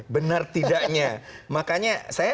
benar tidaknya makanya saya